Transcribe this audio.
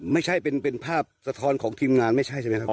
ไม่ใช่เป็นภาพสะท้อนของทีมงานไม่ใช่ใช่ไหมครับ